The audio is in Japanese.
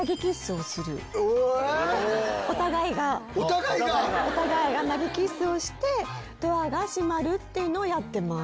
お互いが⁉お互いが投げキッスをしてドアが閉まるっていうのをやってます。